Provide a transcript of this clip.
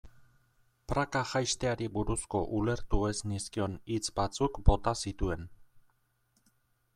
Praka jaisteari buruzko ulertu ez nizkion hitz batzuk bota zituen.